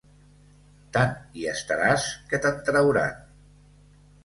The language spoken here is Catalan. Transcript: Tant hi estaràs, que te'n trauran.